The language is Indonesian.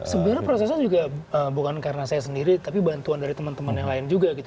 sebenarnya prosesnya juga bukan karena saya sendiri tapi bantuan dari teman teman yang lain juga gitu